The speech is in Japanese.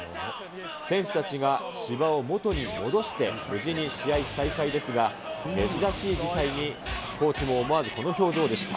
選手たちが芝を元に戻して無事に試合再開ですが、珍しい事態にコーチも思わずこの表情でした。